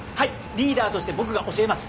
リーダーとして僕が教えます。